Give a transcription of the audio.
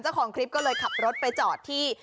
เจ้าของคลิปก็เลยขับรถไปจอดที่